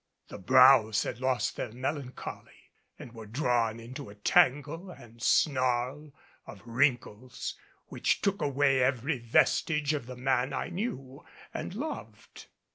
The brows had lost their melancholy and were drawn into a tangle and snarl of wrinkles, which took away every vestige of the man I knew and loved.